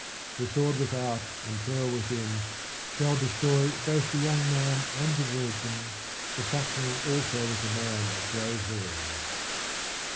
The sword without, and terror within, shall destroy both the young man and the virgin, the suckling also with the man of grey hairs.